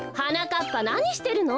っぱなにしてるの？